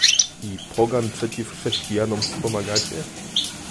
"I pogan przeciw chrześcijanom wspomagacie?"